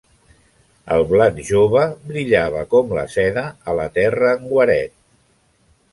El blat jove brillava com la seda a la terra en guaret.